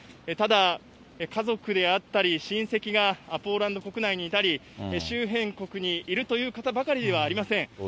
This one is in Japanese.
ただ、家族であったり親戚がポーランド国内にいたり、周辺国にいるという方ばかりではありません。